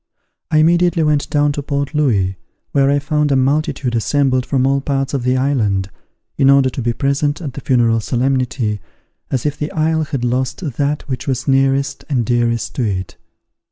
I immediately went down to Port Louis, where I found a multitude assembled from all parts of the island, in order to be present at the funeral solemnity, as if the isle had lost that which was nearest and dearest to it.